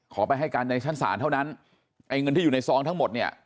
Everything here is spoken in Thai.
ไปให้การในชั้นศาลเท่านั้นไอ้เงินที่อยู่ในซองทั้งหมดเนี่ย